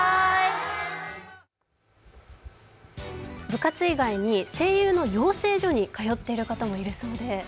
部活以外に声優の養成所に通っている方もいるそうです。